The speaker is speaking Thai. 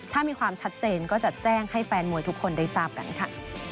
ถ้ามีความชัดเจนก็จะแจ้งให้แฟนมวยทุกคนได้ทราบกันค่ะ